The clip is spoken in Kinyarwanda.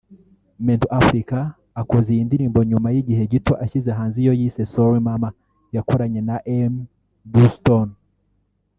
Mento Africa akoze iyi ndirimbo nyuma y'igihe gito ashyize hanze iyo yise 'Sorry Mama' yakoranye na Aimebluestone